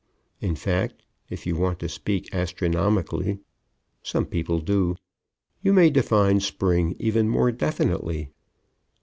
"] In fact, if you want to speak astronomically (some people do), you may define Spring even more definitely.